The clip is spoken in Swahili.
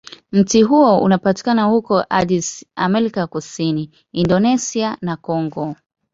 Mti huo unapatikana huko Andes, Amerika ya Kusini, Indonesia, na Kongo.